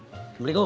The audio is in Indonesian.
udah dibikinin kopi